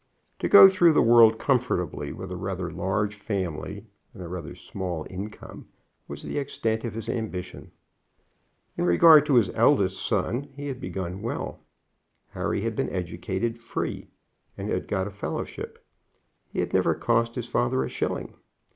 To go through the world comfortably with a rather large family and a rather small income was the extent of his ambition. In regard to his eldest son he had begun well. Harry had been educated free, and had got a fellowship. He had never cost his father a shilling.